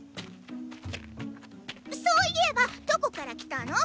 そういえばどこから来たの？